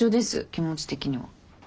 気持ち的には。